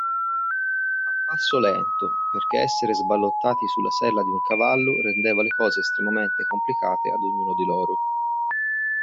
A passo lento perché essere sballottati sulla sella di un cavallo rendeva le cose estremamente complicate ad ognuno di loro.